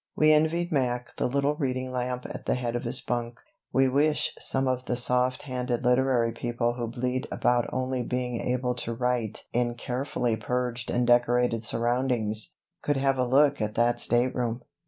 We envied Mac the little reading lamp at the head of his bunk. We wish some of the soft handed literary people who bleat about only being able to write in carefully purged and decorated surroundings could have a look at that stateroom.